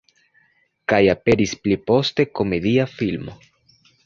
Kaj aperis pli poste komedia filmo.